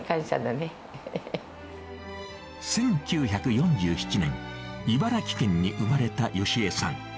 １９４７年、茨城県に生まれた良江さん。